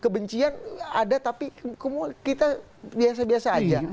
kebencian ada tapi kita biasa biasa aja